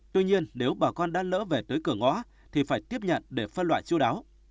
tuy nhiên nếu bà con đã lỡ về tới cửa ngõ thì phải tiếp nhận để phân loại chú đáo